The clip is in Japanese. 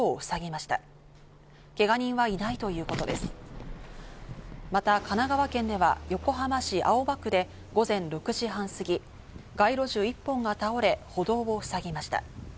また神奈川県では横浜市青葉区で午前６時半過ぎ、街路樹１本が倒れ、歩道をふさぎました。